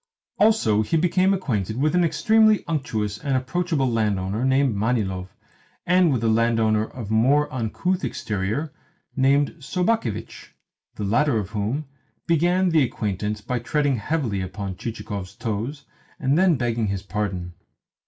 Also, he became acquainted with an extremely unctuous and approachable landowner named Manilov, and with a landowner of more uncouth exterior named Sobakevitch the latter of whom began the acquaintance by treading heavily upon Chichikov's toes, and then begging his pardon.